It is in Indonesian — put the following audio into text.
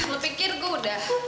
lo pikir kok udah